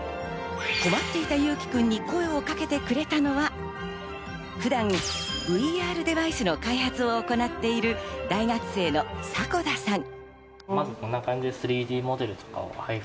困っていた侑輝くんに声をかけてくれたのは、普段、ＶＲデバイスの開発を行っている大学生の迫田さん。